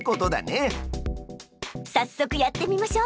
さっそくやってみましょ！